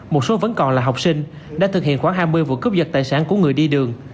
một số vẫn còn là học sinh đã thực hiện khoảng hai mươi vụ cướp dật tài sản của người đi đường